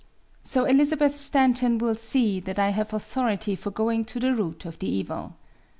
"So Elizabeth Stanton will see that I have authority for going to the root of the evil.